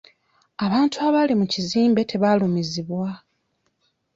Abantu abali mu kizimbe tebaalumizibwa.